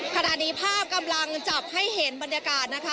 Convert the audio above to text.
ภาพนี้ภาพกำลังจับให้เห็นบรรยากาศนะคะ